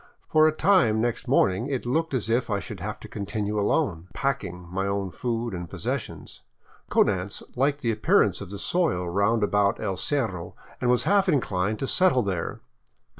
For a time next morning it looked as if I should have to continue alone, "packing" my own food and possessions. Konanz liked the appearance of the soil round about EI Cerro and was half inclined to settle there.